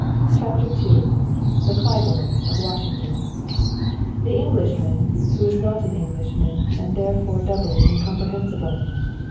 CHAPTER II THE CLAIBORNES, OF WASHINGTON the Englishman who is not an Englishman and therefore doubly incomprehensible.